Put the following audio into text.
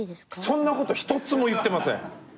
そんなこと一つも言ってません。